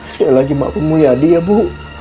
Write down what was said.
sekali lagi mampu mulia adik ya bu